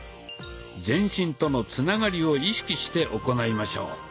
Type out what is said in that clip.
全身とのつながりを意識して行いましょう。